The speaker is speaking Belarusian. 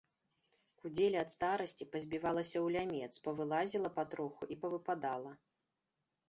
Кудзеля ад старасці пазбівалася ў лямец, павылазіла патроху і павыпадала.